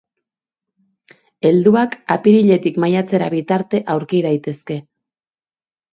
Helduak apiriletik maiatzera bitarte aurki daitezke.